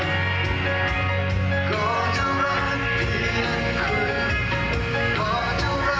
อีกเพลงหนึ่งครับนี้ให้สนสารเฉพาะเลย